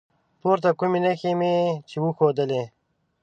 پورته کومې نښې مې چې وښودلي